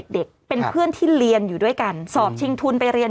เด็กเป็นเพื่อนที่เรียนอยู่ด้วยกันสอบชิงทุนไปเรียน